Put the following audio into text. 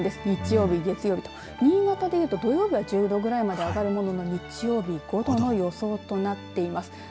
日曜日、月曜日と新潟で言うと土曜日は１５度まで上がるものの日曜日は５度という予想となっています。